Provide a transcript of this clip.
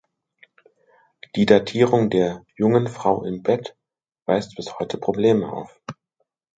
Die Datierung der "Jungen Frau im Bett" weist bis heute Probleme auf.